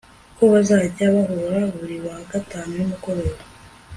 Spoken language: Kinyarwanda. ko bazajya bahura buri wa gatanu nimugoroba